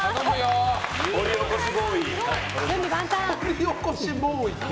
掘り起こしボーイ。